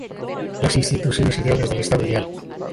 Las instituciones ideales del estado ideal.